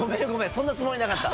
そんなつもりなかった。